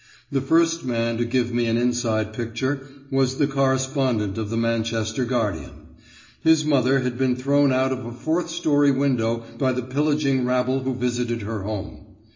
The first man to give me an inside picture was the correspondent of the Manchester Guardian; his mother had been thrown out of a fourth storey window by the pillaging rabble who visited her home.